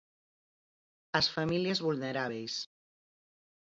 As familias vulnerábeis.